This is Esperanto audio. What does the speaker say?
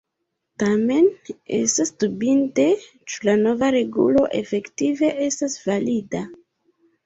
Tamen estas dubinde, ĉu la nova regulo efektive estas valida.